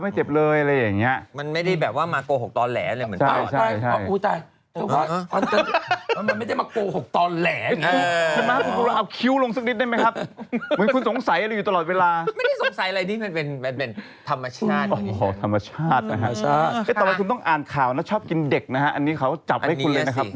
มันเป็นอะไรนี่มันเป็นธรรมชาตินะครับอ๋อธรรมชาติต่อไปคุณต้องอ่านข่าวนะชอบกินเด็กนะฮะอันนี้เขาจับให้คุณเลยนะครับ